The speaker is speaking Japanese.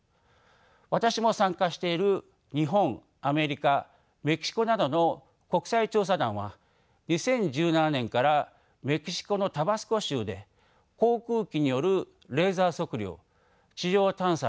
私も参加している日本アメリカメキシコなどの国際調査団は２０１７年からメキシコのタバスコ州で航空機によるレーザー測量地上探査や発掘調査を行いました。